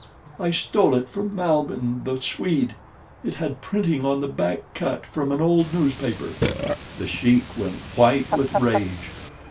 I stole it from Malbihn, the Swede—it had printing on the back cut from an old newspaper." The Sheik went white with rage.